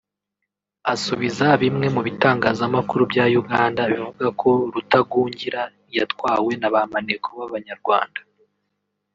Asubiza bimwe mu bitangazamakuru bya Uganda bivuga ko Rutagungira yatwawe na ba maneko b’Abanyarwanda